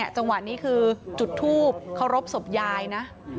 จังหวะนี้คือจุดทูปเคารพศพยายนะ